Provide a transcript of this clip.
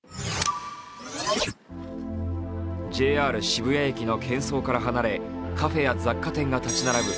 ＪＲ渋谷駅のけん騒から離れカフェや雑貨店が立ち並ぶ